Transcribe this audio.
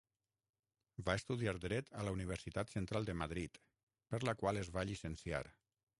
Va estudiar Dret a la Universitat Central de Madrid, per la qual es va llicenciar.